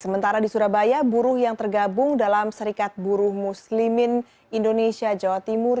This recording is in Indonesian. sementara di surabaya buruh yang tergabung dalam serikat buruh muslimin indonesia jawa timur